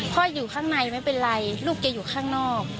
อยู่ข้างในไม่เป็นไรลูกจะอยู่ข้างนอก